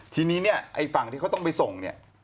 ทีนี้เนี่ยไอ้ฝั่งที่เขาต้องไปส่งเนี่ย